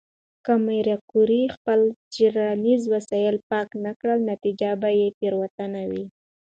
که ماري کوري خپل څېړنیز وسایل پاک نه کړي، نتیجه به تېروتنه وي.